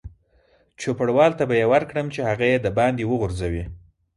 چوپړوال ته به یې ورکړم چې هغه یې دباندې وغورځوي.